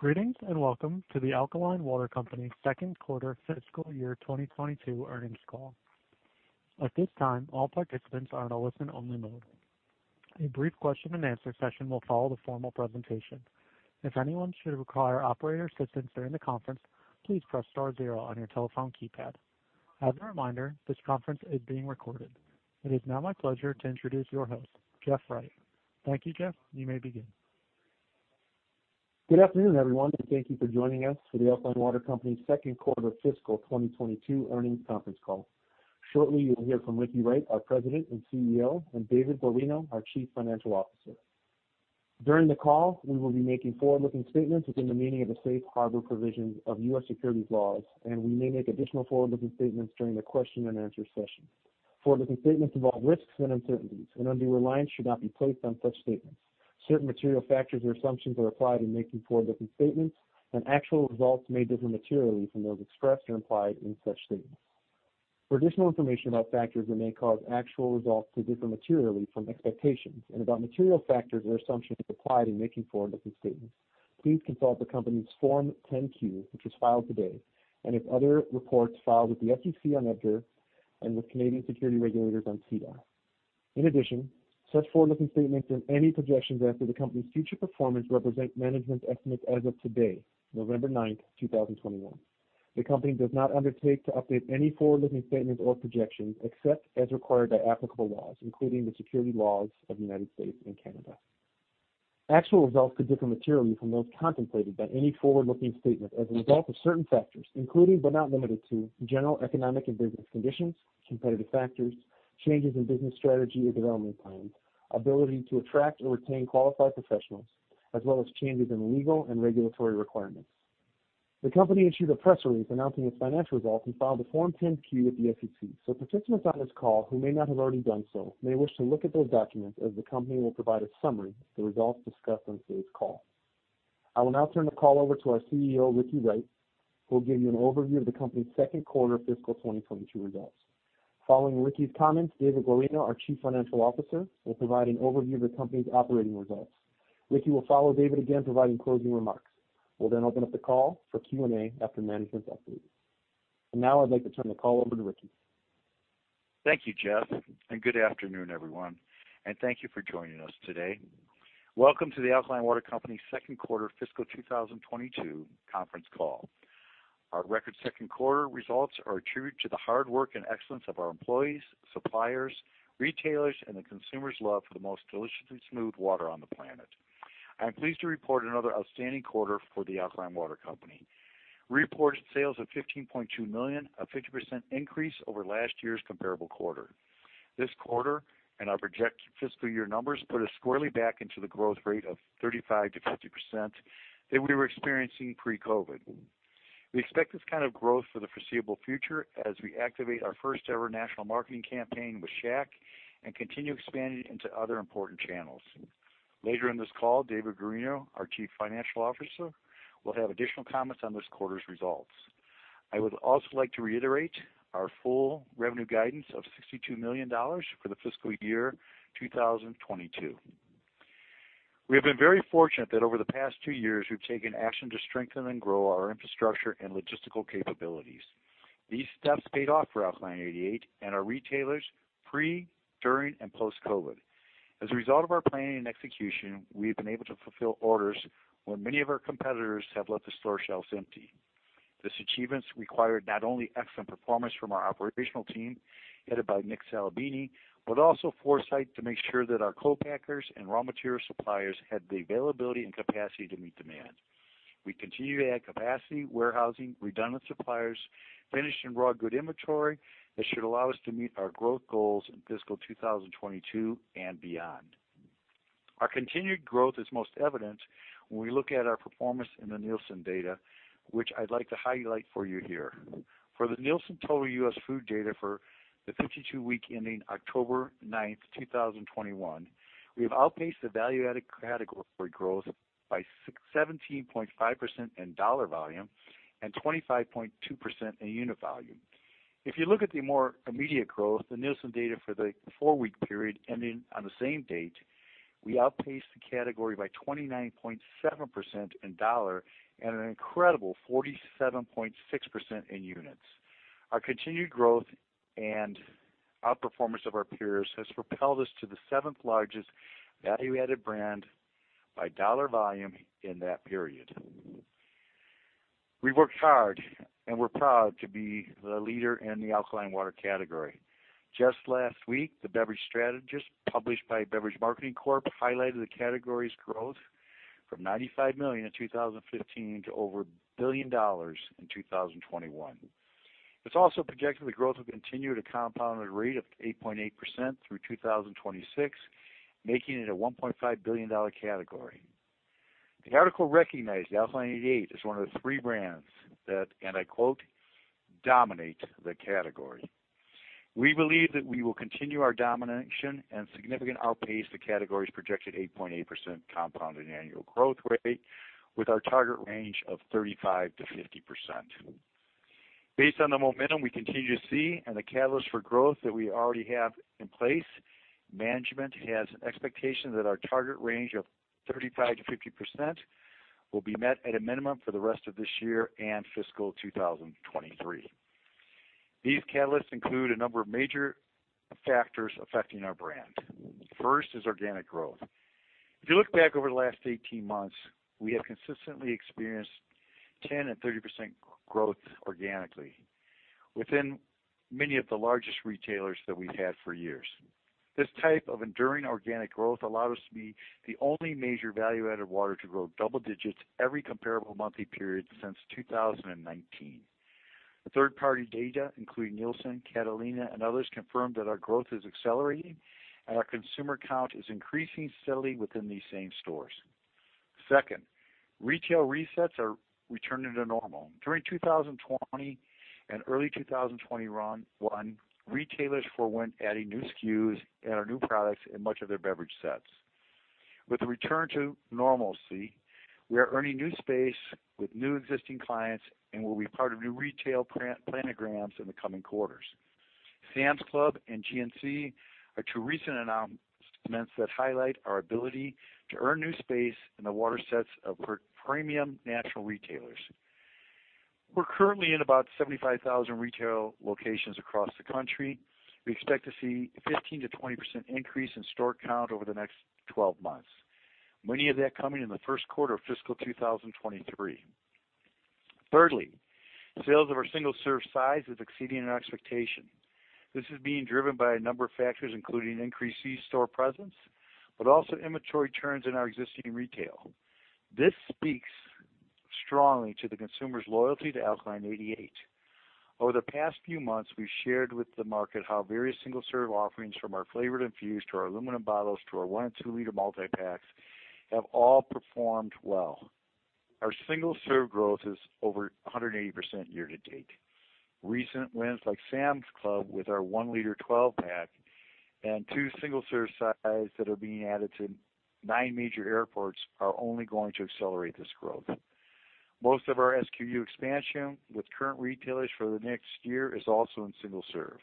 Greetings, and welcome to The Alkaline Water Company's second quarter fiscal year 2022 earnings call. At this time, all participants are in a listen-only mode. A brief question-and-answer session will follow the formal presentation. If anyone should require operator assistance during the conference, please press star zero on your telephone keypad. As a reminder, this conference is being recorded. It is now my pleasure to introduce your host, Jeff Wright. Thank you, Jeff. You may begin. Good afternoon, everyone, and thank you for joining us for the Alkaline Water Company's second quarter fiscal 2022 earnings conference call. Shortly, you'll hear from Ricky Wright, our President and CEO, and David Guarino, our Chief Financial Officer. During the call, we will be making forward-looking statements within the meaning of the safe harbor provisions of U.S. securities laws, and we may make additional forward-looking statements during the question-and-answer session. Forward-looking statements involve risks and uncertainties, and undue reliance should not be placed on such statements. Certain material factors or assumptions are applied in making forward-looking statements, and actual results may differ materially from those expressed or implied in such statements. For additional information about factors that may cause actual results to differ materially from expectations and about material factors or assumptions applied in making forward-looking statements, please consult the company's Form 10-Q, which was filed today, and its other reports filed with the SEC on EDGAR and with Canadian securities regulators on SEDAR. In addition, such forward-looking statements and any projections as to the company's future performance represent management's estimates as of today, November 9, 2021. The company does not undertake to update any forward-looking statements or projections except as required by applicable laws, including the securities laws of the United States and Canada. Actual results could differ materially from those contemplated by any forward-looking statement as a result of certain factors, including but not limited to general economic and business conditions, competitive factors, changes in business strategy or development plans, ability to attract or retain qualified professionals, as well as changes in legal and regulatory requirements. The company issued a press release announcing its financial results and filed a Form 10-Q with the SEC. Participants on this call who may not have already done so may wish to look at those documents as the company will provide a summary of the results discussed on today's call. I will now turn the call over to our CEO, Ricky Wright, who will give you an overview of the company's second quarter fiscal 2022 results. Following Ricky's comments, David Guarino, our Chief Financial Officer, will provide an overview of the company's operating results. Ricky will follow David again, providing closing remarks. We'll then open up the call for Q&A after management's updates. Now I'd like to turn the call over to Ricky. Thank you, Jeff, and good afternoon, everyone, and thank you for joining us today. Welcome to the Alkaline Water Company's second quarter fiscal 2022 conference call. Our record second quarter results are attributed to the hard work and excellence of our employees, suppliers, retailers, and the consumers' love for the most deliciously smooth water on the planet. I'm pleased to report another outstanding quarter for the Alkaline Water Company. Reported sales of $15.2 million, a 50% increase over last year's comparable quarter. This quarter, our projected fiscal year numbers put us squarely back into the growth rate of 35%-50% that we were experiencing pre-COVID. We expect this kind of growth for the foreseeable future as we activate our first-ever national marketing campaign with Shaq and continue expanding into other important channels. Later in this call, David Guarino, our Chief Financial Officer, will have additional comments on this quarter's results. I would also like to reiterate our full revenue guidance of $62 million for the fiscal year 2022. We have been very fortunate that over the past two years, we've taken action to strengthen and grow our infrastructure and logistical capabilities. These steps paid off for Alkaline88 and our retailers pre, during, and post-COVID. As a result of our planning and execution, we have been able to fulfill orders when many of our competitors have left the store shelves empty. These achievements required not only excellent performance from our operational team, headed by Nick Salimbene, but also foresight to make sure that our co-packers and raw material suppliers had the availability and capacity to meet demand. We continue to add capacity, warehousing, redundant suppliers, finished and raw goods inventory that should allow us to meet our growth goals in fiscal 2022 and beyond. Our continued growth is most evident when we look at our performance in the Nielsen data, which I'd like to highlight for you here. For the Nielsen total U.S. food data for the 52-week ending October 9, 2021, we have outpaced the value-added category growth by 17.5% in dollar volume and 25.2% in unit volume. If you look at the more immediate growth, the Nielsen data for the four-week period ending on the same date, we outpaced the category by 29.7% in dollar and an incredible 47.6% in units. Our continued growth and outperformance of our peers has propelled us to the seventh-largest value-added brand by dollar volume in that period. We've worked hard, and we're proud to be the leader in the alkaline water category. Just last week, The Beverage Strategist, published by Beverage Marketing Corp, highlighted the category's growth from $95 million in 2015 to over $1 billion in 2021. It's also projected the growth will continue at a compounded rate of 8.8% through 2026, making it a $1.5 billion category. The article recognized Alkaline88 as one of the three brands that, and I quote, "Dominate the category." We believe that we will continue our domination and significantly outpace the category's projected 8.8% compounded annual growth rate with our target range of 35%-50%. Based on the momentum we continue to see and the catalyst for growth that we already have in place, management has an expectation that our target range of 35%-50% will be met at a minimum for the rest of this year and fiscal 2023. These catalysts include a number of major factors affecting our brand. First is organic growth. If you look back over the last 18 months, we have consistently experienced 10% and 30% growth organically within many of the largest retailers that we've had for years. This type of enduring organic growth allowed us to be the only major value-added water to grow double digits every comparable monthly period since 2019. The third-party data, including Nielsen, Catalina, and others, confirmed that our growth is accelerating and our consumer count is increasing steadily within these same stores. Second, retail resets are returning to normal. During 2020 and early 2021, retailers forwent adding new SKUs and our new products in much of their beverage sets. With the return to normalcy, we are earning new space with new existing clients and will be part of new retail planograms in the coming quarters. Sam's Club and GNC are two recent announcements that highlight our ability to earn new space in the water sets of premium natural retailers. We're currently in about 75,000 retail locations across the country. We expect to see 15%-20% increase in store count over the next 12 months. Much of that coming in the first quarter of fiscal 2023. Thirdly, sales of our single-serve size is exceeding our expectation. This is being driven by a number of factors, including increased C-store presence, but also inventory turns in our existing retail. This speaks strongly to the consumer's loyalty to Alkaline88. Over the past few months, we've shared with the market how various single-serve offerings from our flavored infused to our aluminum bottles, to our 1-2 L multi-packs have all performed well. Our single-serve growth is over 180% year-to-date. Recent wins like Sam's Club with our 1 L 12 pack and two single-serve size that are being added to nine major airports are only going to accelerate this growth. Most of our SKU expansion with current retailers for the next year is also in single serve.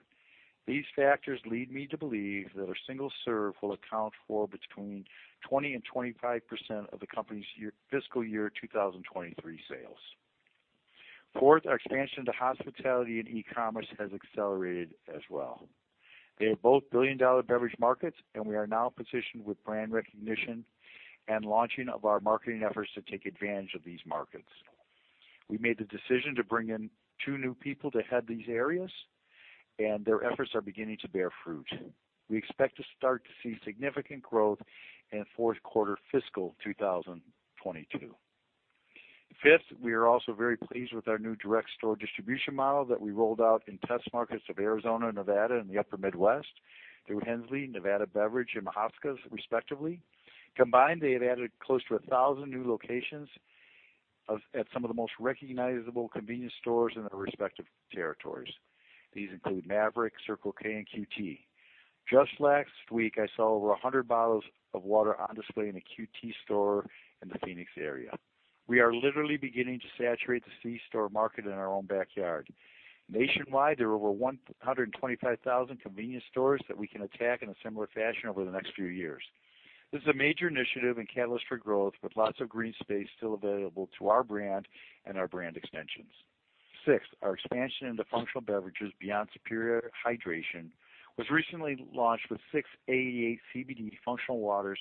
These factors lead me to believe that our single serve will account for between 20% and 25% of the company's fiscal year 2023 sales. Fourth, our expansion to hospitality and e-commerce has accelerated as well. They are both billion-dollar beverage markets, and we are now positioned with brand recognition and launching of our marketing efforts to take advantage of these markets. We made the decision to bring in two new people to head these areas, and their efforts are beginning to bear fruit. We expect to start to see significant growth in fourth quarter fiscal 2022. Fifth, we are also very pleased with our new direct store distribution model that we rolled out in test markets of Arizona, Nevada, and the upper Midwest through Hensley, Nevada Beverage, and Mahaska, respectively. Combined, they have added close to 1,000 new locations at some of the most recognizable convenience stores in their respective territories. These include Maverik, Circle K, and QT. Just last week, I saw over 100 bottles of water on display in a QT store in the Phoenix area. We are literally beginning to saturate the C-store market in our own backyard. Nationwide, there are over 125,000 convenience stores that we can attack in a similar fashion over the next few years. This is a major initiative and catalyst for growth, with lots of green space still available to our brand and our brand extensions. Sixth, our expansion into functional beverages beyond superior hydration was recently launched with A88CBD functional waters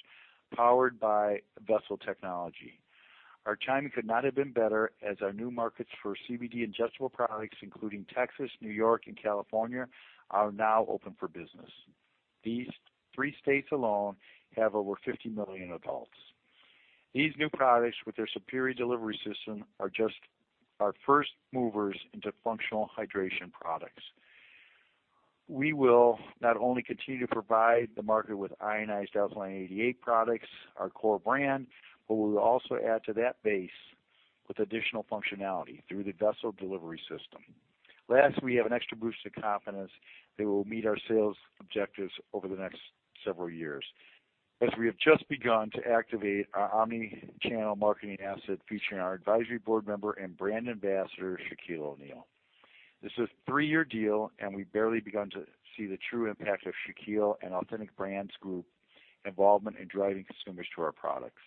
powered by Vessl Technology. Our timing could not have been better as our new markets for CBD ingestible products, including Texas, New York, and California, are now open for business. These three states alone have over 50 million adults. These new products with their superior delivery system are just our first movers into functional hydration products. We will not only continue to provide the market with ionized Alkaline88 products, our core brand, but we will also add to that base with additional functionality through the Vessl Delivery System. Last, we have an extra boost of confidence that we'll meet our sales objectives over the next several years as we have just begun to activate our omni-channel marketing asset featuring our advisory board member and brand ambassador, Shaquille O'Neal. This is a three-year deal, and we've barely begun to see the true impact of Shaquille O'Neal and Authentic Brands Group involvement in driving consumers to our products.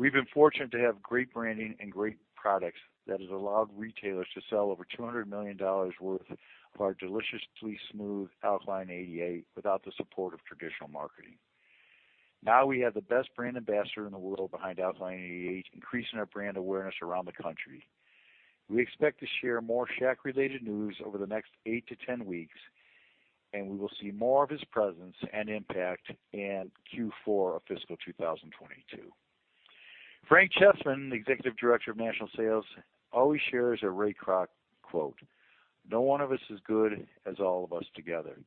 We've been fortunate to have great branding and great products that has allowed retailers to sell over $200 million worth of our deliciously smooth Alkaline88 without the support of traditional marketing. Now we have the best brand ambassador in the world behind Alkaline88, increasing our brand awareness around the country. We expect to share more Shaq related news over the next eight to 10 weeks, and we will see more of his presence and impact in Q4 of fiscal 2022. Frank Chessman, Executive Director of National Sales, always shares a Ray Kroc quote, "No one of us is good as all of us together."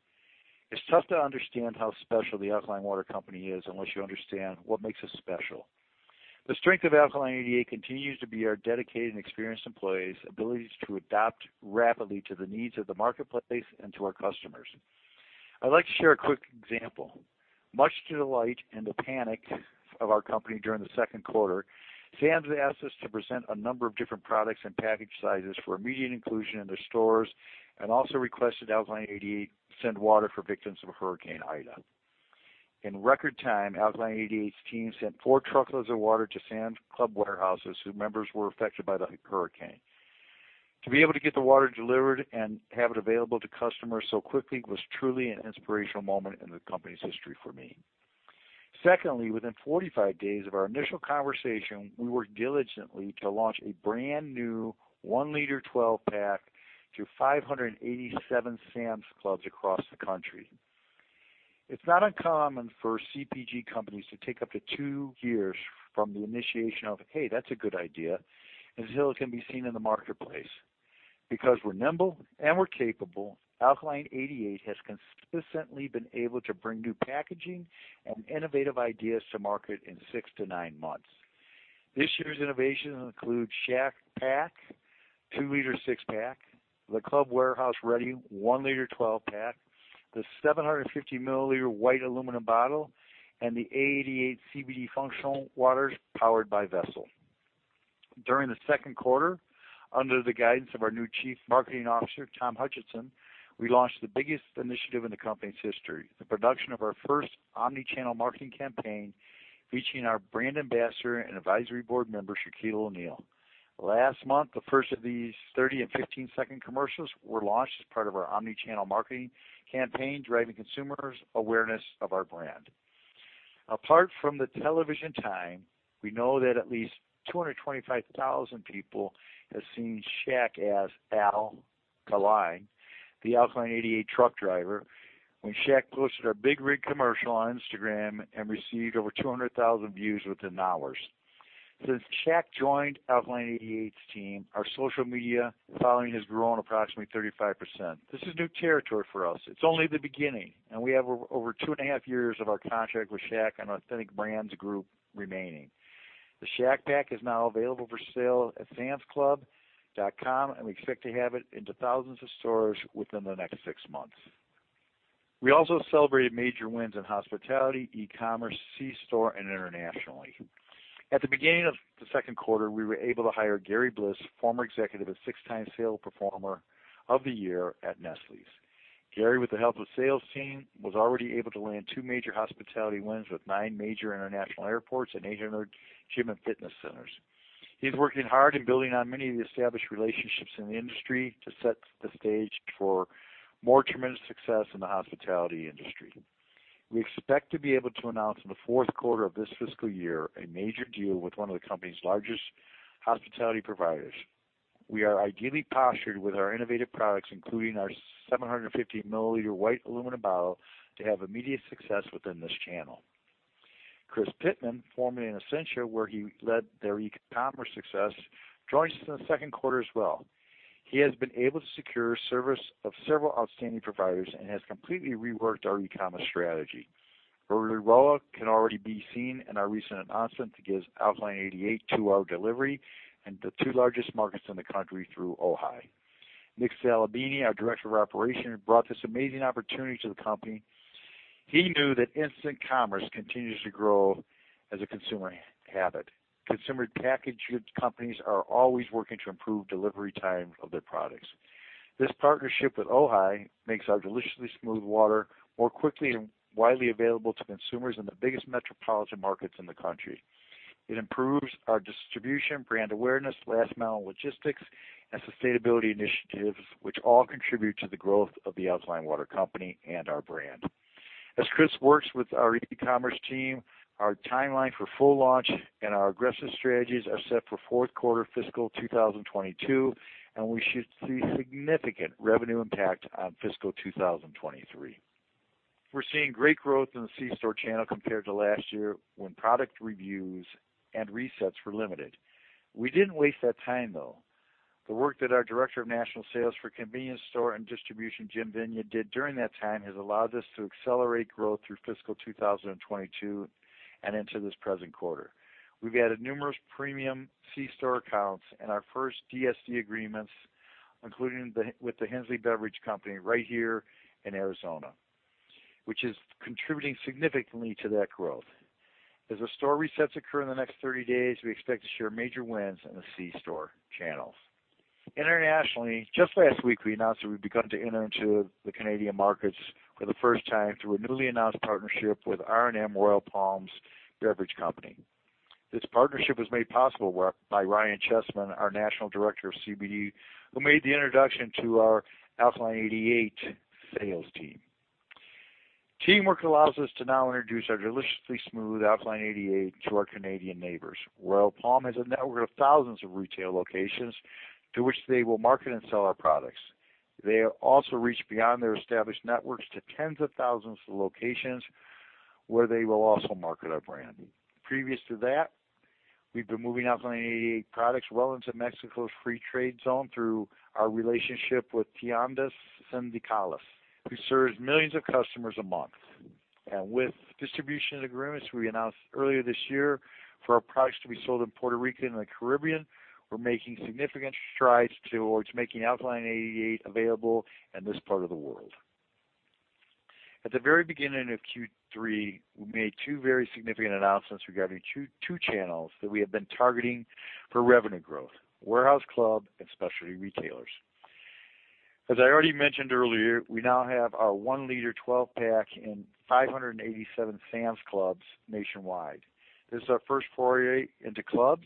It's tough to understand how special the Alkaline Water Company is unless you understand what makes us special. The strength of Alkaline88 continues to be our dedicated and experienced employees' abilities to adapt rapidly to the needs of the marketplace and to our customers. I'd like to share a quick example. Much to the delight and the panic of our company during the second quarter, Sam's asked us to present a number of different products and package sizes for immediate inclusion in their stores, and also requested Alkaline88 send water for victims of Hurricane Ida. In record time, Alkaline88's team sent four truckloads of water to Sam's Club warehouses whose members were affected by the hurricane. To be able to get the water delivered and have it available to customers so quickly was truly an inspirational moment in the company's history for me. Secondly, within 45 days of our initial conversation, we worked diligently to launch a brand-new 1 L 12 pack to 587 Sam's Clubs across the country. It's not uncommon for CPG companies to take up to two years from the initiation of, "Hey, that's a good idea," until it can be seen in the marketplace. Because we're nimble and we're capable, Alkaline88 has consistently been able to bring new packaging and innovative ideas to market in six-nine months. This year's innovation includes Shaq Paq, 2 L six pack, the club warehouse-ready 1 L 12 pack, the 750 milliliter white aluminum bottle, and the A88CBD functional waters powered by Vessl. During the second quarter, under the guidance of our new Chief Marketing Officer, Tom Hutchison, we launched the biggest initiative in the company's history, the production of our first omni-channel marketing campaign featuring our Brand Ambassador and Advisory Board Member, Shaquille O'Neal. Last month, the first of these 30 and 15 second commercials were launched as part of our omni-channel marketing campaign, driving consumer awareness of our brand. Apart from the television time, we know that at least 225,000 people have seen Shaq as Al Kaline, the Alkaline88 truck driver, when Shaq posted our big rig commercial on Instagram and received over 200,000 views within hours. Since Shaq joined Alkaline88's team, our social media following has grown approximately 35%. This is new territory for us. It's only the beginning, and we have over two and a half years of our contract with Shaq and Authentic Brands Group remaining. The Shaq Paq is now available for sale at samsclub.com, and we expect to have it into thousands of stores within the next six months. We also celebrated major wins in hospitality, e-commerce, C store, and internationally. At the beginning of the second quarter, we were able to hire Gary Bliss, former executive and six-time sales performer of the year at Nestlé. Gary, with the help of sales team, was already able to land two major hospitality wins with nine major international airports and 800 gym and fitness centers. He's working hard on building on many of the established relationships in the industry to set the stage for more tremendous success in the hospitality industry. We expect to be able to announce in the fourth quarter of this fiscal year a major deal with one of the company's largest hospitality providers. We are ideally postured with our innovative products, including our 750 milliliter white aluminum bottle, to have immediate success within this channel. Chris Pitman, formerly in Essentia, where he led their e-commerce success, joins us in the second quarter as well. He has been able to secure services from several outstanding providers and has completely reworked our e-commerce strategy, where the ROI can already be seen in our recent announcement to give Alkaline88 two-hour delivery in the two largest markets in the country through Ohi. Nick Salimbene, our Director of Operations, brought this amazing opportunity to the company. He knew that instant commerce continues to grow as a consumer habit. Consumer packaged goods companies are always working to improve delivery time of their products. This partnership with Ohi makes our deliciously smooth water more quickly and widely available to consumers in the biggest metropolitan markets in the country. It improves our distribution, brand awareness, last mile logistics, and sustainability initiatives, which all contribute to the growth of the Alkaline Water Company and our brand. As Chris works with our e-commerce team, our timeline for full launch and our aggressive strategies are set for fourth quarter fiscal 2022, and we should see significant revenue impact on fiscal 2023. We're seeing great growth in the C store channel compared to last year when product reviews and resets were limited. We didn't waste that time, though. The work that our Director of National Sales for Convenience Store and Distribution, Jim Vigna, did during that time has allowed us to accelerate growth through fiscal 2022 and into this present quarter. We've added numerous premium C store accounts and our first DSD agreements, including with the Hensley Beverage Company right here in Arizona, which is contributing significantly to that growth. As the store resets occur in the next 30 days, we expect to share major wins in the C store channels. Internationally, just last week, we announced that we've begun to enter into the Canadian markets for the first time through a newly announced partnership with R&M Royal Palms Beverage Company This partnership was made possible by Ryan Chessman, our National Director of CBD, who made the introduction to our Alkaline88 sales team. Teamwork allows us to now introduce our deliciously smooth Alkaline88 to our Canadian neighbors. Royal Palms has a network of thousands of retail locations to which they will market and sell our products. They also reach beyond their established networks to tens of thousands of locations where they will also market our brand. Previous to that, we've been moving Alkaline88 products well into Mexico's Free Trade Zone through our relationship with Tiendas Sindicales, who serves millions of customers a month. With distribution agreements we announced earlier this year for our products to be sold in Puerto Rico and the Caribbean, we're making significant strides towards making Alkaline88 available in this part of the world. At the very beginning of Q3, we made two very significant announcements regarding two channels that we have been targeting for revenue growth, warehouse club and specialty retailers. As I already mentioned earlier, we now have our 1 L 12 pack in 587 Sam's Clubs nationwide. This is our first foray into clubs,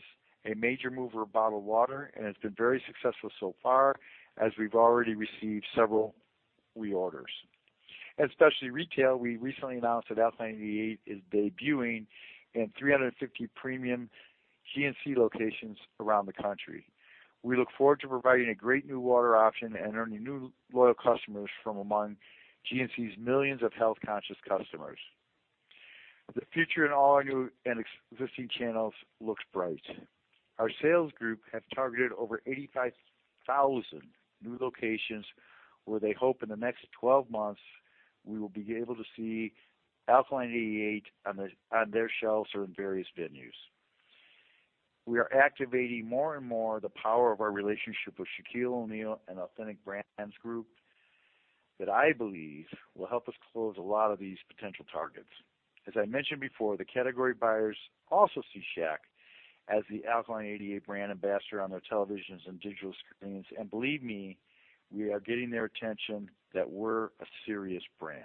a major mover of bottled water, and it's been very successful so far as we've already received several reorders. At specialty retail, we recently announced that Alkaline88 is debuting in 350 premium GNC locations around the country. We look forward to providing a great new water option and earning new loyal customers from among GNC's millions of health-conscious customers. The future in all our new and existing channels looks bright. Our sales group have targeted over 85,000 new locations where they hope in the next 12 months we will be able to see Alkaline88 on their shelves or in various venues. We are activating more and more the power of our relationship with Shaquille O'Neal and Authentic Brands Group that I believe will help us close a lot of these potential targets. As I mentioned before, the category buyers also see Shaq as the Alkaline88 brand ambassador on their televisions and digital screens, and believe me, we are getting their attention that we're a serious brand.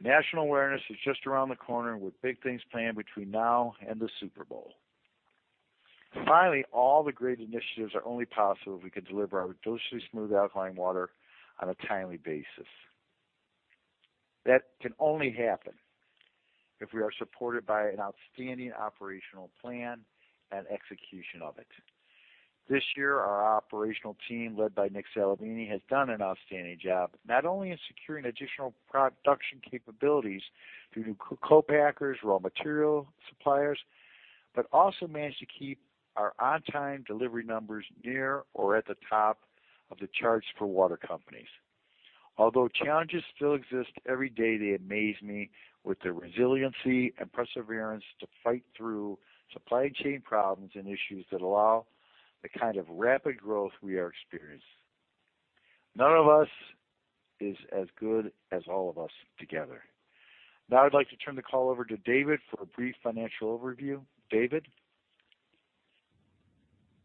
National awareness is just around the corner with big things planned between now and the Super Bowl. Finally, all the great initiatives are only possible if we can deliver our deliciously smooth Alkaline water on a timely basis. That can only happen if we are supported by an outstanding operational plan and execution of it. This year, our operational team, led by Nick Salimbene, has done an outstanding job, not only in securing additional production capabilities through new co-packers, raw material suppliers, but also managed to keep our on-time delivery numbers near or at the top of the charts for water companies. Although challenges still exist every day, they amaze me with their resiliency and perseverance to fight through supply chain problems and issues that allow the kind of rapid growth we are experiencing. None of us is as good as all of us together. Now I'd like to turn the call over to David for a brief financial overview. David?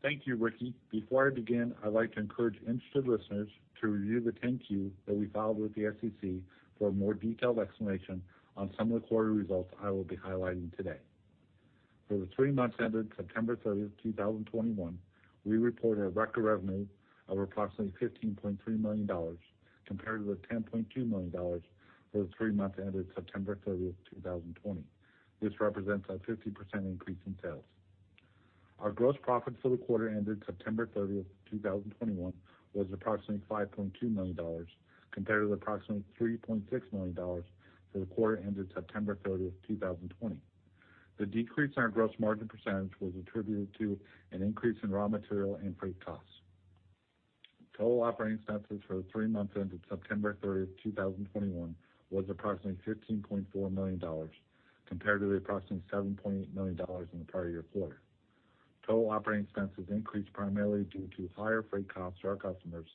Thank you, Ricky. Before I begin, I'd like to encourage interested listeners to review the 10-Q that we filed with the SEC for a more detailed explanation on some of the quarter results I will be highlighting today. For the three months ended September 30, 2021, we reported a record revenue of approximately $15.3 million compared to the $10.2 million for the three months ended September 30, 2020. This represents a 50% increase in sales. Our gross profits for the quarter ended September 30, 2021 was approximately $5.2 million compared to the approximately $3.6 million for the quarter ended September 30, 2020. The decrease in our gross margin percentage was attributed to an increase in raw material and freight costs. Total operating expenses for the three months ended September 30, 2021 was approximately $15.4 million compared to approximately $7.8 million in the prior year quarter. Total operating expenses increased primarily due to higher freight costs to our customers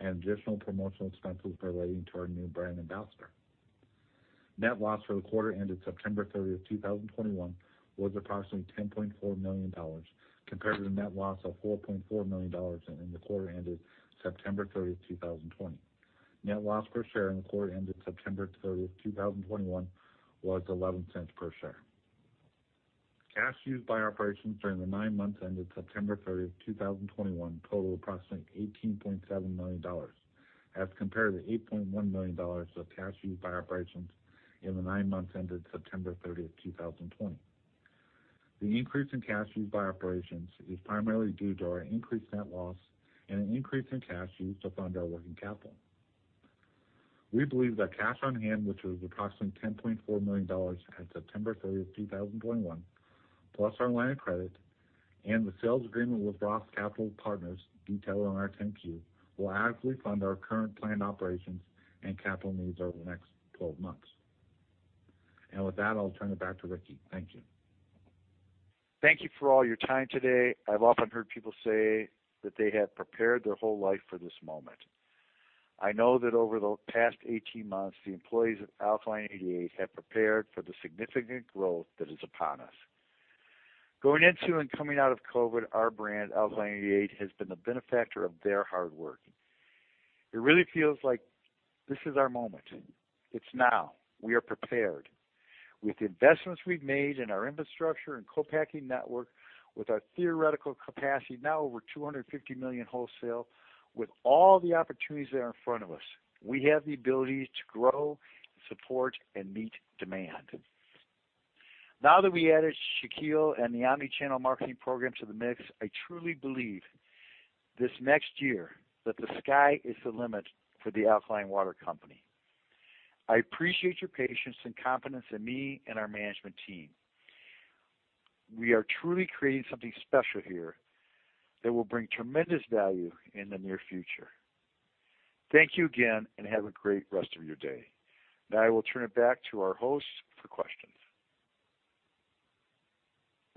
and additional promotional expenses relating to our new brand ambassador. Net loss for the quarter ended September 30, 2021 was approximately $10.4 million compared to the net loss of $4.4 million in the quarter ended September 30, 2020. Net loss per share in the quarter ended September 30, 2021 was $0.11 per share. Cash used by our operations during the nine months ended September 30, 2021 totaled approximately $18.7 million as compared to $8.1 million of cash used by operations in the nine months ended September 30, 2020. The increase in cash used by operations is primarily due to our increased net loss and an increase in cash used to fund our working capital. We believe that cash on hand, which was approximately $10.4 million at September 30, 2021, plus our line of credit and the sales agreement with Roth Capital Partners detailed on our 10-Q, will adequately fund our current planned operations and capital needs over the next 12 months. With that, I'll turn it back to Ricky. Thank you. Thank you for all your time today. I've often heard people say that they have prepared their whole life for this moment. I know that over the past 18 months, the employees of Alkaline88 have prepared for the significant growth that is upon us. Going into and coming out of COVID, our brand, Alkaline88, has been the benefactor of their hard work. It really feels like this is our moment. It's now. We are prepared. With the investments we've made in our infrastructure and co-packing network, with our theoretical capacity now over $250 million wholesale, with all the opportunities that are in front of us, we have the ability to grow, support, and meet demand. Now that we added Shaquille and the omni-channel marketing program to the mix, I truly believe this next year that the sky is the limit for The Alkaline Water Company. I appreciate your patience and confidence in me and our management team. We are truly creating something special here that will bring tremendous value in the near future. Thank you again, and have a great rest of your day. Now I will turn it back to our host for questions.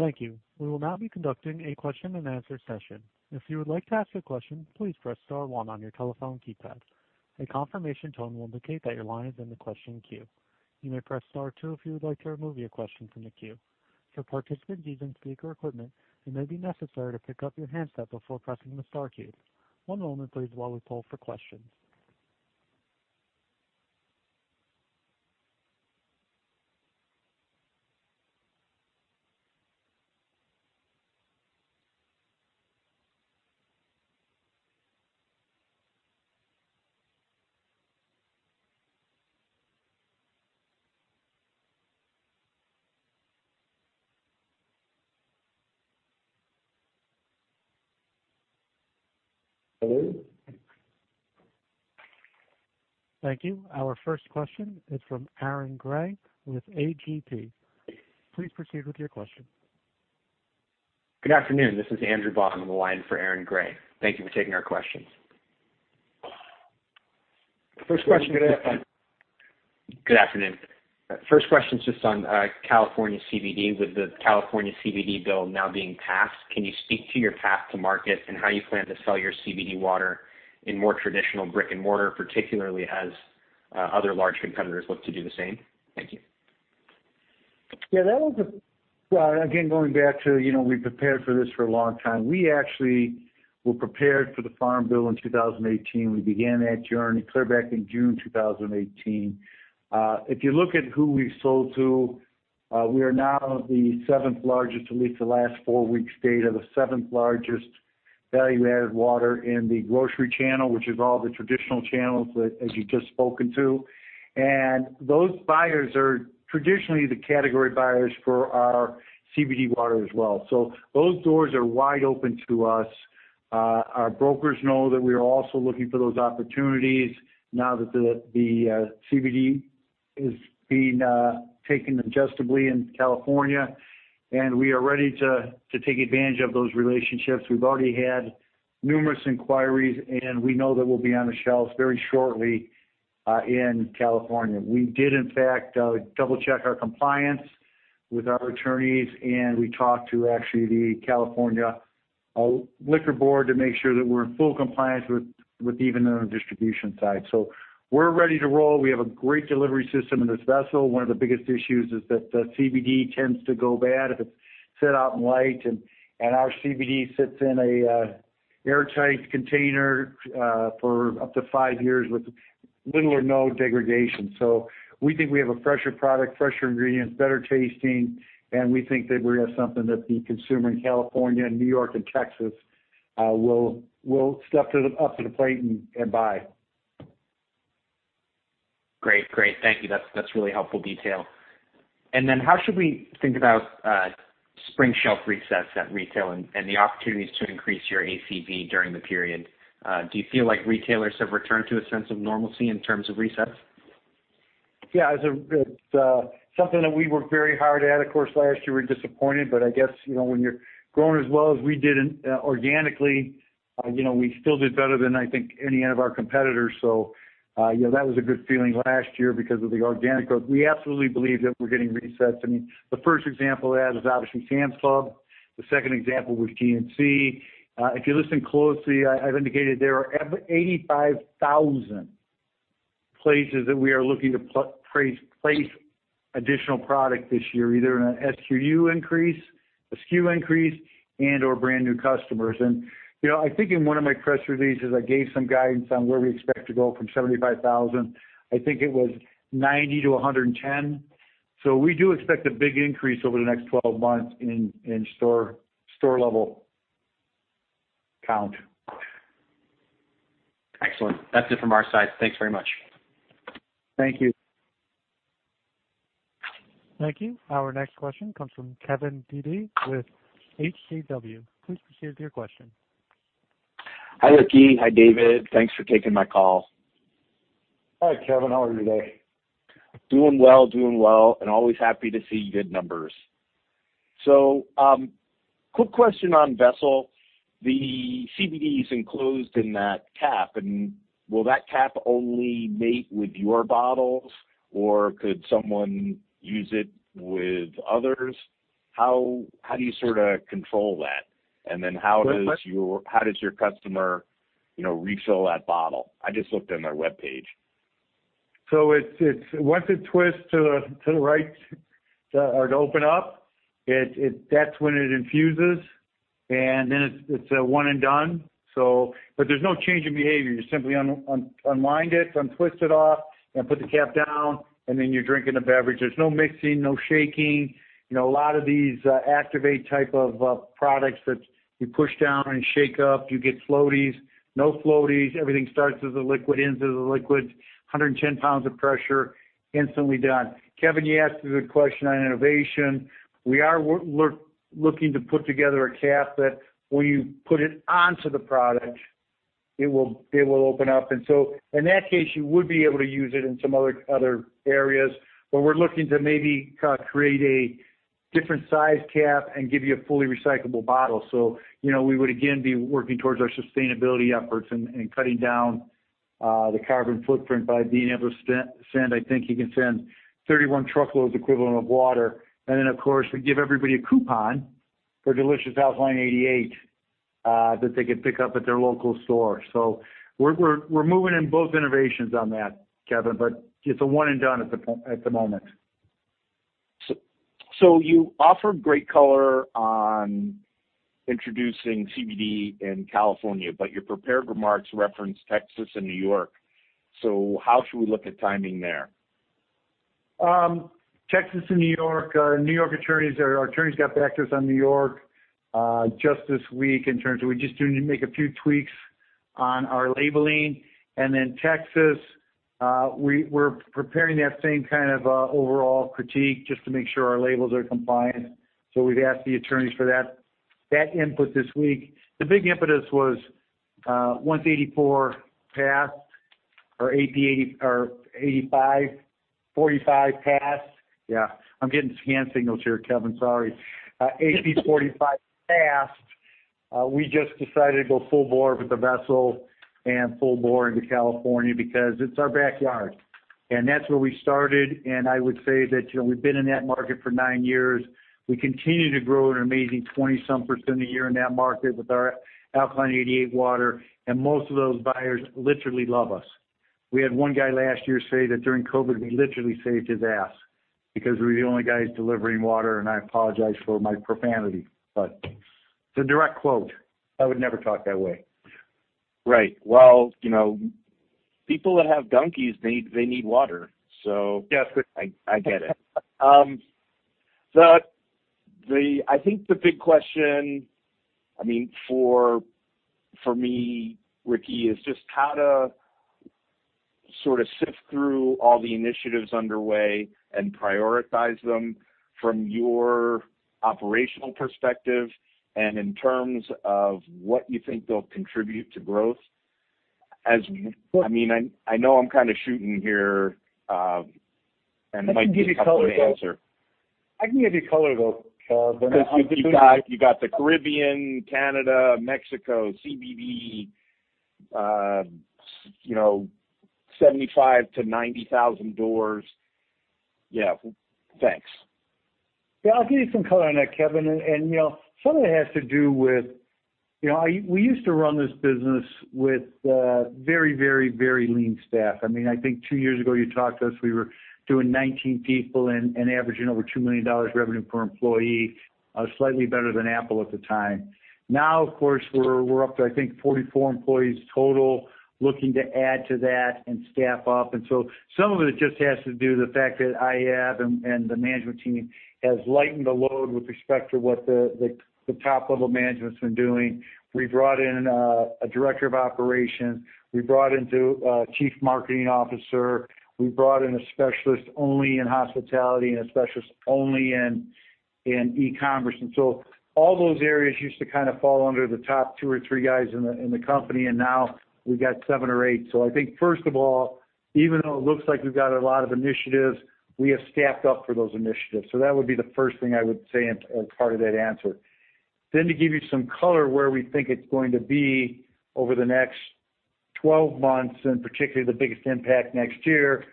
Thank you. We will now be conducting a question-and-answer session. If you would like to ask a question, please press star one on your telephone keypad. A confirmation tone will indicate that your line is in the question queue. You may press star two if you would like to remove your question from the queue. For participants using speaker equipment, it may be necessary to pick up your handset before pressing the star keys. One moment please while we poll for questions. Hello? Thank you. Our first question is from Aaron Grey with AGP. Please proceed with your question. Good afternoon. This is Andrew Vaughan on the line for Aaron Grey. Thank you for taking our questions. First question. Good afternoon. First question is just on California CBD. With the California CBD bill now being passed, can you speak to your path to market and how you plan to sell your CBD water in more traditional brick and mortar, particularly as other large competitors look to do the same? Thank you. Yeah. Well, again, going back to, you know, we prepared for this for a long time. We actually were prepared for the farm bill in 2018. We began that journey clear back in June 2018. If you look at who we sold to, we are now the seventh largest, at least the last four weeks data, the seventh largest value-added water in the grocery channel, which is all the traditional channels that, as you've just spoken to. Those buyers are traditionally the category buyers for our CBD water as well. Those doors are wide open to us. Our brokers know that we are also looking for those opportunities now that the CBD is being taken justifiably in California, and we are ready to take advantage of those relationships. We've already had numerous inquiries, and we know that we'll be on the shelves very shortly in California. We did in fact double-check our compliance with our attorneys, and we talked to actually the California Liquor Board to make sure that we're in full compliance with even on the distribution side. We're ready to roll. We have a great delivery system in this Vessl. One of the biggest issues is that the CBD tends to go bad if it's set out in light and our CBD sits in an airtight container for up to five years with little or no degradation. We think we have a fresher product, fresher ingredients, better tasting, and we think that we have something that the consumer in California and New York and Texas will step up to the plate and buy. Great. Thank you. That's really helpful detail. How should we think about spring shelf resets at retail and the opportunities to increase your ACV during the period? Do you feel like retailers have returned to a sense of normalcy in terms of resets? Yeah, it's something that we worked very hard at. Of course, last year we were disappointed, but I guess, you know, when you're growing as well as we did in organically, you know, we still did better than I think any of our competitors. You know, that was a good feeling last year because of the organic growth. We absolutely believe that we're getting resets. I mean, the first example of that is obviously Sam's Club. The second example was GNC. If you listen closely, I've indicated there are 85,000 places that we are looking to place additional product this year, either in an SKU increase, a SKU increase and/or brand new customers. You know, I think in one of my press releases, I gave some guidance on where we expect to go from 75,000. I think it was 90-110. We do expect a big increase over the next 12 months in store level count. Excellent. That's it from our side. Thanks very much. Thank you. Thank you. Our next question comes from Kevin Dede with HCW. Please proceed with your question. Hi, Ricky. Hi, David. Thanks for taking my call. Hi, Kevin. How are you today? Doing well and always happy to see good numbers. Quick question on Vessl. The CBD is enclosed in that cap, and will that cap only mate with your bottles, or could someone use it with others? How do you sorta control that? Then how does your- What? How does your customer, you know, refill that bottle? I just looked on their webpage. Once it twists to the right or to open up, it. That's when it infuses, and then it's a one and done. But there's no change in behavior. You simply unwind it, untwist it off and put the cap down, and then you're drinking the beverage. There's no mixing, no shaking. You know, a lot of these activate type of products that you push down and shake up, you get floaties. No floaties. Everything starts as a liquid, ends as a liquid. 110 pounds of pressure, instantly done. Kevin, you asked a good question on innovation. We are looking to put together a cap that when you put it onto the product. It will open up. In that case, you would be able to use it in some other areas. We're looking to maybe create a different size cap and give you a fully recyclable bottle. You know, we would again be working towards our sustainability efforts and cutting down the carbon footprint by being able to send. I think you can send 31 truckloads equivalent of water. Then, of course, we give everybody a coupon for delicious Alkaline88 that they could pick up at their local store. We're moving in both innovations on that, Kevin, but it's a one and done at the moment. You offered great color on introducing CBD in California, but your prepared remarks referenced Texas and New York. How should we look at timing there? Texas and New York. Our attorneys got back to us on New York just this week in terms of we just need to make a few tweaks on our labeling. Then Texas, we're preparing that same kind of overall critique just to make sure our labels are compliant. We've asked the attorneys for that input this week. The big impetus was once AB-45 passed. Yeah, I'm getting scan signals here, Kevin. Sorry. We just decided to go full bore with the Vessl and full bore into California because it's our backyard, and that's where we started. I would say that, you know, we've been in that market for nine years. We continue to grow an amazing 20-some percent a year in that market with our Alkaline88 water, and most of those buyers literally love us. We had one guy last year say that during COVID, we literally saved his ass because we were the only guys delivering water. I apologize for my profanity, but it's a direct quote. I would never talk that way. Right. Well, you know, people that have donkeys, they need water. Yes. I get it. I think the big question, I mean, for me, Ricky, is just how to sort of sift through all the initiatives underway and prioritize them from your operational perspective and in terms of what you think they'll contribute to growth. As. Sure. I mean, I know I'm kind of shooting here, and it might be. I can give you color, though. A tough one to answer. I can give you color, though, Kevin. I'm just doing 'Cause you got the Caribbean, Canada, Mexico, CBD, you know, 75-90,000 doors. Yeah. Thanks. Yeah. I'll give you some color on that, Kevin. You know, some of it has to do with, you know, we used to run this business with very lean staff. I mean, I think two years ago you talked to us, we were doing 19 people and averaging over $2 million revenue per employee, slightly better than Apple at the time. Now, of course, we're up to, I think, 44 employees total, looking to add to that and staff up. Some of it just has to do with the fact that I and the management team has lightened the load with respect to what the top-level management's been doing. We brought in a Director of Operations. We brought in, too, a Chief Marketing Officer. We brought in a specialist only in hospitality and a specialist only in e-commerce. All those areas used to kind of fall under the top two or three guys in the company, and now we've got seven or eight. I think, first of all, even though it looks like we've got a lot of initiatives, we have staffed up for those initiatives. That would be the first thing I would say in, as part of that answer. To give you some color where we think it's going to be over the next 12 months, and particularly the biggest impact next year,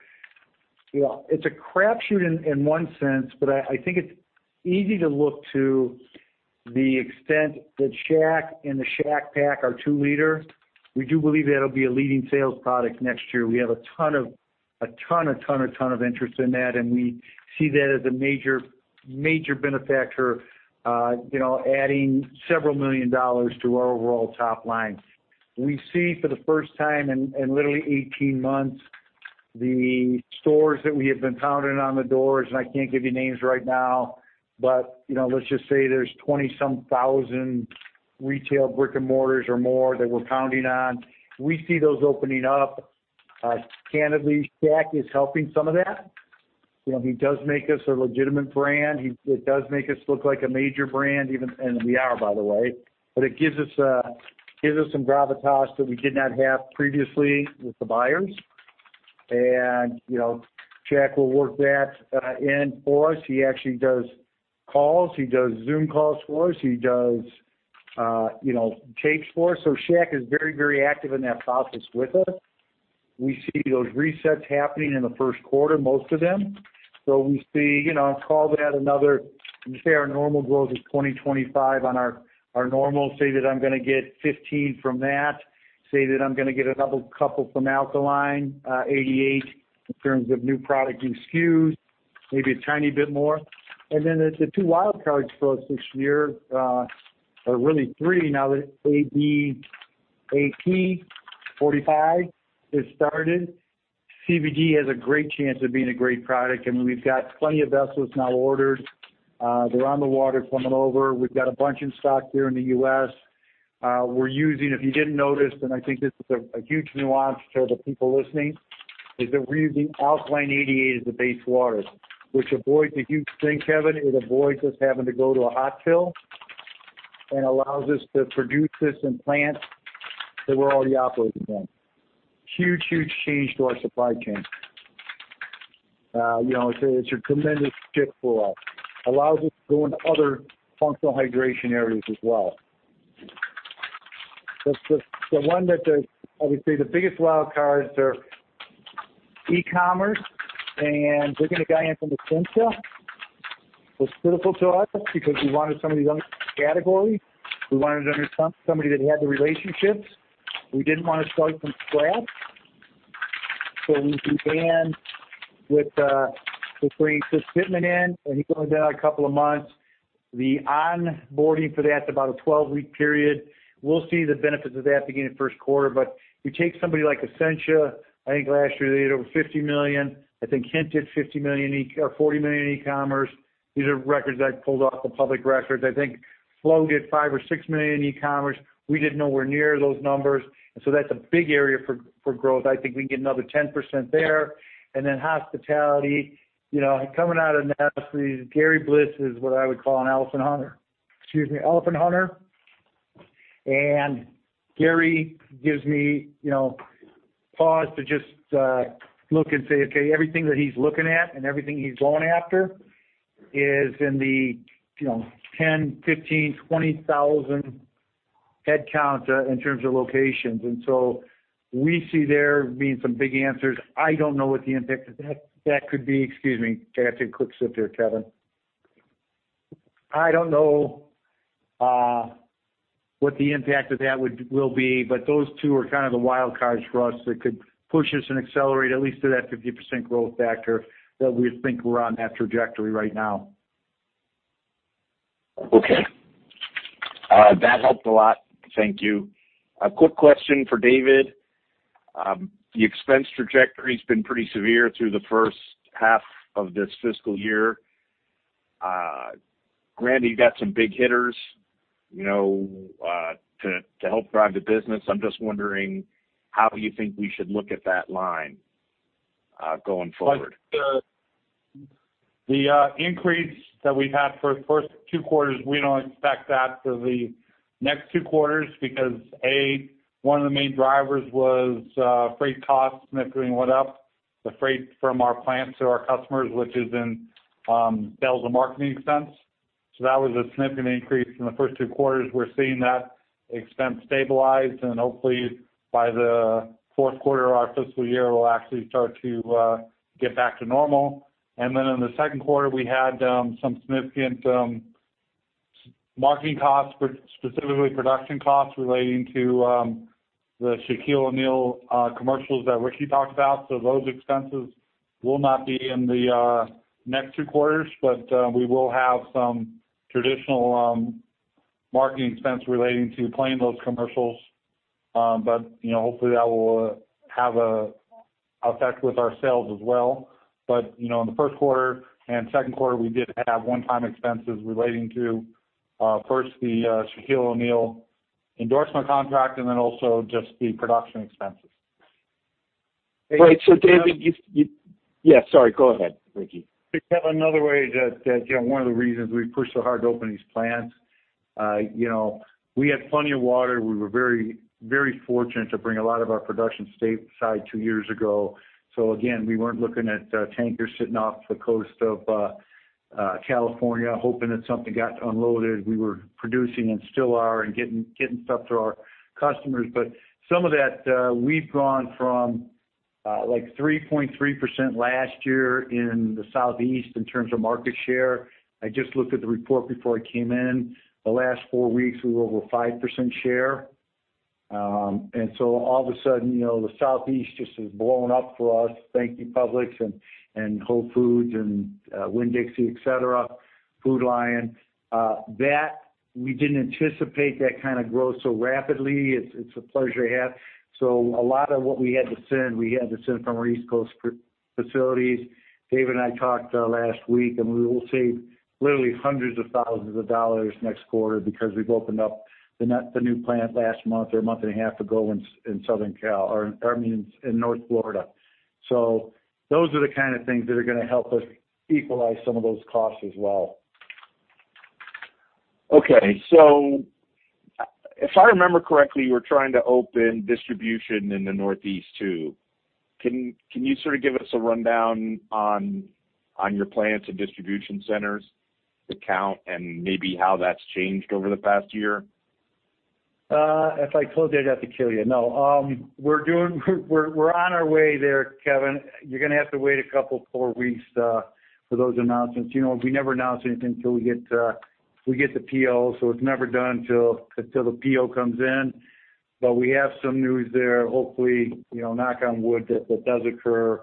you know, it's a crapshoot in one sense, but I think it's easy to look to the extent that Shaq and the Shaq Paq, our 2 L, we do believe that'll be a leading sales product next year. We have a ton of interest in that, and we see that as a major benefit, you know, adding $several million to our overall top line. We see for the first time in literally 18 months, the stores that we have been pounding on the doors, and I can't give you names right now, but, you know, let's just say there's 20-some thousand retail brick-and-mortars or more that we're pounding on. We see those opening up. Candidly, Shaq is helping some of that. You know, he does make us a legitimate brand. It does make us look like a major brand, and we are, by the way. But it gives us some gravitas that we did not have previously with the buyers. You know, Shaq will work that in for us. He actually does calls. He does Zoom calls for us. He does, you know, tapes for us. Shaq is very, very active in that process with us. We see those resets happening in the first quarter, most of them. We see, you know, we say our normal growth is 20%-25% on our normal. Say that I'm gonna get 15% from that. Say that I'm gonna get another couple from Alkaline88 in terms of new product SKUs, maybe a tiny bit more. Then the two wild cards for us this year, or really three now that AB-45 has started. CBD has a great chance of being a great product, and we've got plenty of Vessl now ordered. They're on the water coming over. We've got a bunch in stock here in the U.S. We're using, if you didn't notice, and I think this is a huge nuance to the people listening. Is that we're using Alkaline88 as the base water, which avoids a huge stink, Kevin. It avoids us having to go to a hot fill and allows us to produce this in plants that we're already operating in. Huge change to our supply chain. You know, it's a tremendous shift for us. Allows us to go into other functional hydration areas as well. That's the one. I would say the biggest wild cards are e-commerce, and bringing a guy in from Essentia was critical to us because we wanted somebody who knows the category. We wanted to understand somebody that had the relationships. We didn't want to start from scratch. We began with bringing Chris Pitman in, and he's only been there a couple of months. The onboarding for that's about a 12-week period. We'll see the benefits of that beginning first quarter. You take somebody like Essentia. I think last year they did over $50 million. I think Hint did $40 million in e-commerce. These are records I pulled off the public records. I think Flow did $5 million or $6 million in e-commerce. We did nowhere near those numbers, and so that's a big area for growth. I think we can get another 10% there. Then hospitality, you know, coming out of pandemics, Gary Bliss is what I would call an elephant hunter. Gary gives me, you know, pause to just look and say, okay, everything that he's looking at and everything he's going after is in the 10, 15, 20 thousand headcounts in terms of locations. We see there being some big answers. I don't know what the impact of that could be. Excuse me. Got to take a quick sip there, Kevin. I don't know what the impact of that will be, but those two are kind of the wild cards for us that could push us and accelerate at least to that 50% growth factor that we think we're on that trajectory right now. Okay. That helped a lot. Thank you. A quick question for David. The expense trajectory's been pretty severe through the first half of this fiscal year. Granted you got some big hitters, you know, to help drive the business. I'm just wondering how you think we should look at that line, going forward? Like the increase that we've had for the first two quarters, we don't expect that for the next two quarters because, A, one of the main drivers was freight costs significantly went up, the freight from our plant to our customers, which is in sales and marketing expense. That was a significant increase in the first two quarters. We're seeing that expense stabilize and hopefully by the fourth quarter of our fiscal year, we'll actually start to get back to normal. Then in the second quarter, we had some significant marketing costs, specifically production costs relating to the Shaquille O'Neal commercials that Ricky talked about. Those expenses will not be in the next two quarters, but we will have some traditional marketing expense relating to playing those commercials. you know, hopefully that will have a effect with our sales as well. you know, in the first quarter and second quarter, we did have one-time expenses relating to first the Shaquille O'Neal endorsement contract and then also just the production expenses. Right. David, you Yeah, sorry. Go ahead, Ricky. Kevin, another way that you know one of the reasons we pushed so hard to open these plants, you know, we had plenty of water. We were very, very fortunate to bring a lot of our production stateside two years ago. Again, we weren't looking at tankers sitting off the coast of California, hoping that something got unloaded. We were producing and still are and getting stuff to our customers. Some of that, we've gone from like 3.3% last year in the Southeast in terms of market share. I just looked at the report before I came in. The last four weeks we were over 5% share. All of a sudden, you know, the Southeast just has blown up for us. Thank you, Publix and Whole Foods and Winn-Dixie, et cetera, Food Lion. We didn't anticipate that kind of growth so rapidly. It's a pleasure to have. A lot of what we had to send, we had to send from our East Coast facilities. David and I talked last week, and we will save literally hundreds of thousands of dollars next quarter because we've opened up the new plant last month or a month and a half ago in North Florida. Those are the kind of things that are gonna help us equalize some of those costs as well. Okay. If I remember correctly, you were trying to open distribution in the Northeast too. Can you sort of give us a rundown on your plans and distribution centers, the count and maybe how that's changed over the past year? If I told you, I'd have to kill you. No. We're on our way there, Kevin. You're gonna have to wait a couple more weeks for those announcements. You know, we never announce anything till we get the PO. It's never done until the PO comes in, but we have some news there. Hopefully, you know, knock on wood, that does occur.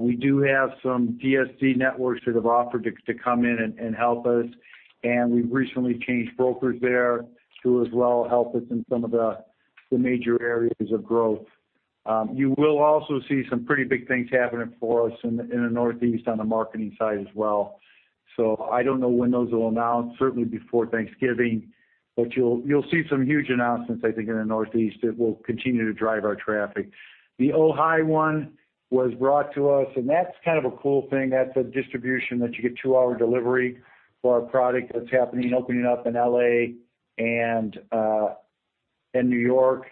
We do have some DSD networks that have offered to come in and help us, and we've recently changed brokers there too as well help us in some of the major areas of growth. You will also see some pretty big things happening for us in the Northeast on the marketing side as well. I don't know when those will announce, certainly before Thanksgiving. You'll see some huge announcements, I think, in the Northeast that will continue to drive our traffic. The Ohi one was brought to us, and that's kind of a cool thing. That's a distribution that you get two-hour delivery for our product that's happening, opening up in L.A. and New York.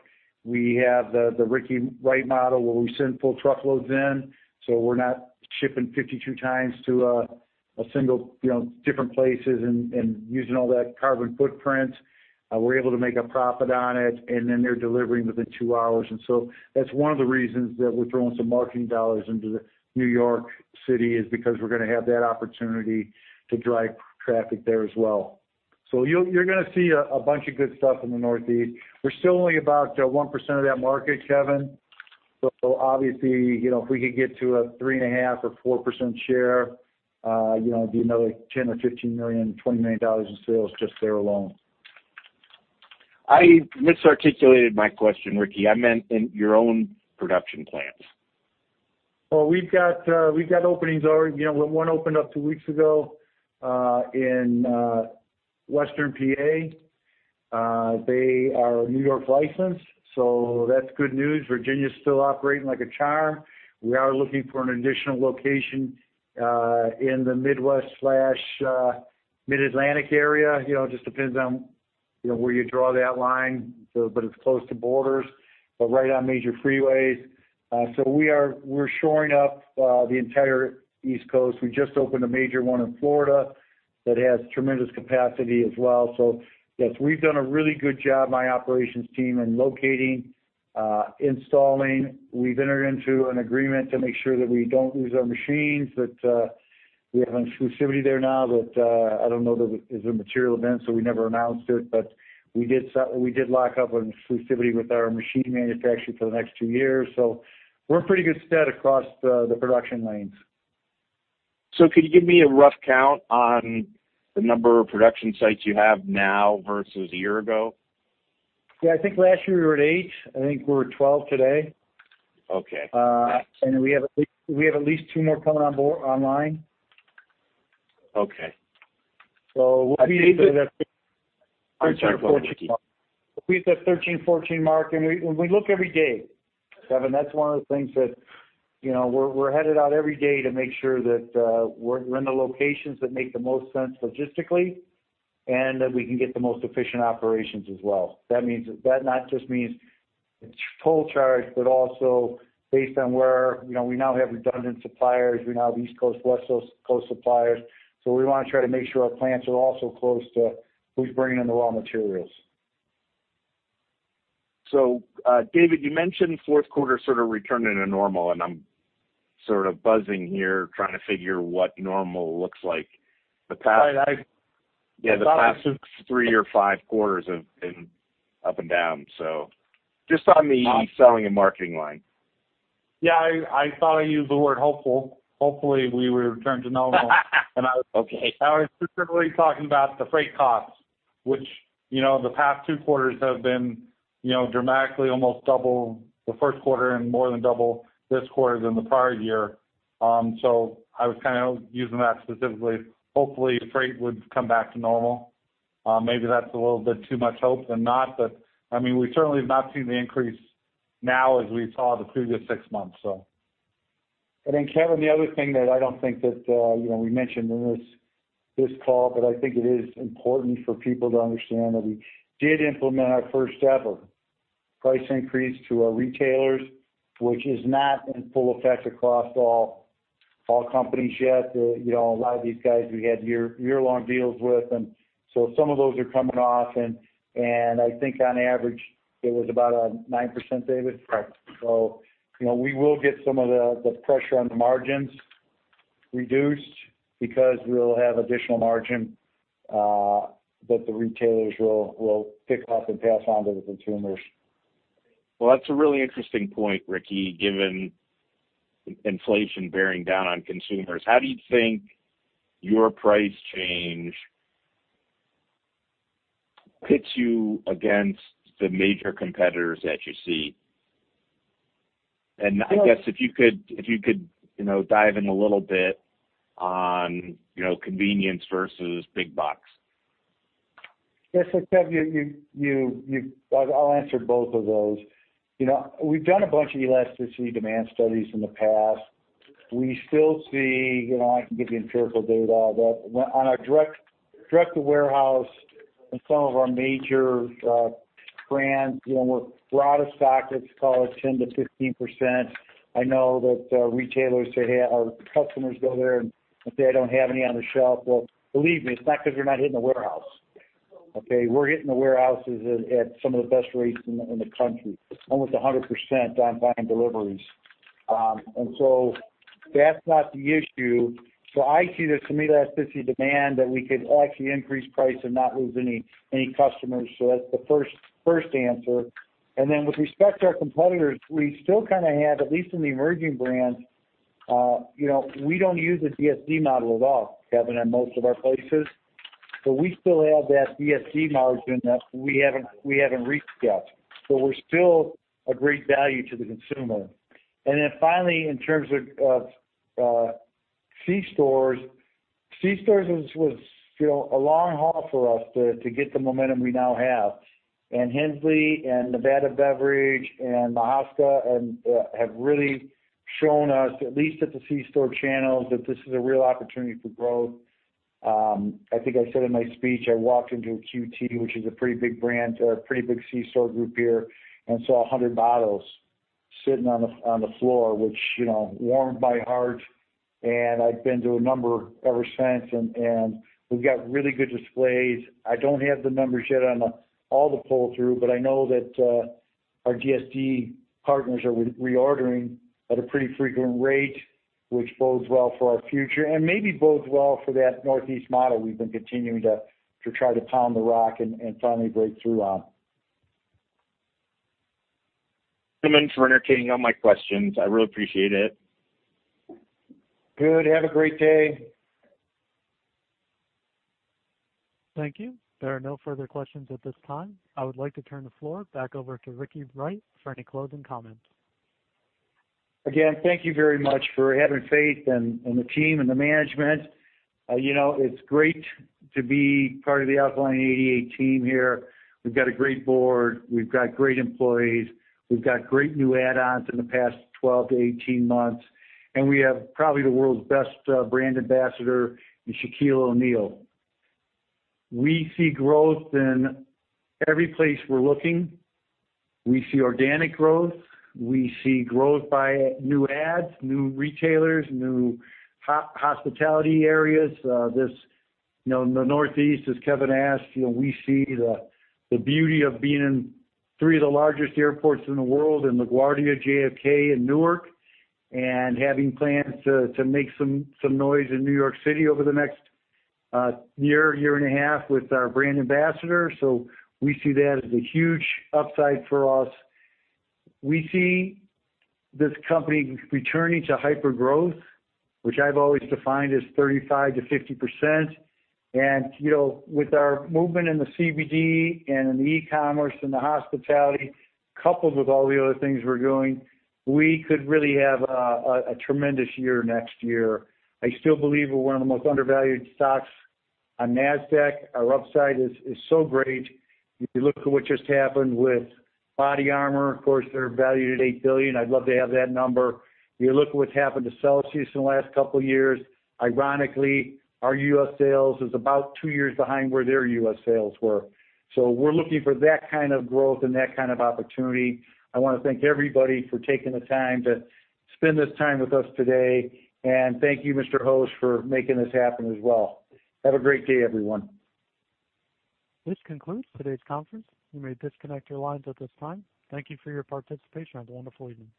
We have the Ricky Wright model, where we send full truckloads in, so we're not shipping 52x to a single, you know, different places and using all that carbon footprint. We're able to make a profit on it, and then they're delivering within two hours. That's one of the reasons that we're throwing some marketing dollars into the New York City because we're gonna have that opportunity to drive traffic there as well. You're gonna see a bunch of good stuff in the Northeast. We're still only about 1% of that market, Kevin. Obviously, you know, if we could get to a 3.5% or 4% share, you know, it'd be another $10 or $15 million, $20 million in sales just there alone. I misarticulated my question, Ricky. I meant in your own production plants. Well, we've got openings already. You know, one opened up two weeks ago in Western Pa. They are New York licensed, so that's good news. Virginia's still operating like a charm. We are looking for an additional location in the Midwest/Mid-Atlantic area. You know, it just depends on, you know, where you draw that line. But it's close to borders, but right on major freeways. We're shoring up the entire East Coast. We just opened a major one in Florida that has tremendous capacity as well. Yes, we've done a really good job, my operations team, in locating, installing. We've entered into an agreement to make sure that we don't lose our machines, that we have exclusivity there now that I don't know that it's a material event, so we never announced it. We did lock up an exclusivity with our machine manufacturer for the next two years. We're in pretty good stead across the production lanes. Could you give me a rough count on the number of production sites you have now versus a year ago? Yeah, I think last year we were at 8. I think we're at 12 today. Okay. We have at least two more coming online. Okay. So we'll be. I think that. 13, 14. I'm sorry, go ahead, Ricky. We've hit that 13-14 mark, and we look every day, Kevin. That's one of the things that, you know, we're headed out every day to make sure that we're in the locations that make the most sense logistically and that we can get the most efficient operations as well. That not just means it's full charge, but also based on where, you know, we now have redundant suppliers. We now have East Coast, West Coast suppliers. We wanna try to make sure our plants are also close to who's bringing in the raw materials. David, you mentioned fourth quarter sort of returning to normal, and I'm sort of buzzing here trying to figure what normal looks like. The past. I. Yeah, the past three or five quarters have been up and down. Just on the selling and marketing line. Yeah, I thought I used the word hopeful. Hopefully, we would return to normal. Okay. I was specifically talking about the freight costs, which, you know, the past two quarters have been, you know, dramatically almost double the first quarter and more than double this quarter than the prior year. I was kind of using that specifically. Hopefully, freight would come back to normal. Maybe that's a little bit too much hope than not. I mean, we certainly have not seen the increase now as we saw the previous six months. Then Kevin, the other thing that I don't think that, you know, we mentioned in this call, but I think it is important for people to understand that we did implement our first ever price increase to our retailers, which is not in full effect across all companies yet. You know, a lot of these guys we had year-long deals with. So some of those are coming off and I think on average, it was about 9%, David? Right. you know, we will get some of the pressure on the margins reduced because we'll have additional margin that the retailers will pick up and pass on to the consumers. Well, that's a really interesting point, Ricky, given inflation bearing down on consumers. How do you think your price change pits you against the major competitors that you see? I guess if you could, you know, dive in a little bit on, you know, convenience versus big box. Yes. Kevin, you, I'll answer both of those. You know, we've done a bunch of elasticity demand studies in the past. We still see, you know, I can give you empirical data, but on our direct-to-warehouse and some of our major brands, you know, we're out of stock, let's call it 10%-15%. I know that retailers say, hey, our customers go there and say, I don't have any on the shelf. Well, believe me, it's not because we're not hitting the warehouse. Okay. We're hitting the warehouses at some of the best rates in the country, almost 100% on-time deliveries. That's not the issue. I see this, to me, the elasticity demand that we could actually increase price and not lose any customers. That's the first answer. Then with respect to our competitors, we still kinda have, at least in the emerging brands, you know, we don't use a DSD model at all, Kevin, in most of our places. So we still have that DSD margin that we haven't reached yet, so we're still a great value to the consumer. Finally, in terms of C stores, C stores was you know a long haul for us to get the momentum we now have. And Hensley and Nevada Beverage and Mahaska and have really shown us, at least at the C store channels, that this is a real opportunity for growth. I think I said in my speech, I walked into a QT, which is a pretty big brand, a pretty big C store group here, and saw 100 bottles sitting on the floor, which, you know, warmed my heart. I've been to a number ever since and we've got really good displays. I don't have the numbers yet on all the pull-through, but I know that our DSD partners are reordering at a pretty frequent rate, which bodes well for our future and maybe bodes well for that Northeast model we've been continuing to try to pound the rock and finally break through on. Thanks, Kevin, for entertaining all my questions. I really appreciate it. Good. Have a great day. Thank you. There are no further questions at this time. I would like to turn the floor back over to Ricky Wright for any closing comments. Again, thank you very much for having faith in the team and the management. You know, it's great to be part of the Alkaline88 team here. We've got a great board. We've got great employees. We've got great new add-ons in the past 12-18 months, and we have probably the world's best brand ambassador in Shaquille O'Neal. We see growth in every place we're looking. We see organic growth. We see growth by new adds, new retailers, new hospitality areas. You know, in the Northeast, as Kevin asked, you know, we see the beauty of being in three of the largest airports in the world, in LaGuardia, JFK, and Newark, and having plans to make some noise in New York City over the next year and a half with our brand ambassador. We see that as a huge upside for us. We see this company returning to hyper growth, which I've always defined as 35%-50%. You know, with our movement in the CBD and in the e-commerce and the hospitality, coupled with all the other things we're doing, we could really have a tremendous year next year. I still believe we're one of the most undervalued stocks on Nasdaq. Our upside is so great. If you look at what just happened with BODYARMOR, of course, they're valued at $8 billion. I'd love to have that number. You look at what's happened to Celsius in the last couple years. Ironically, our U.S. sales is about two years behind where their U.S. sales were. We're looking for that kind of growth and that kind of opportunity. I wanna thank everybody for taking the time to spend this time with us today. Thank you, Mr. Host, for making this happen as well. Have a great day, everyone. This concludes today's conference. You may disconnect your lines at this time. Thank you for your participation. Have a wonderful evening.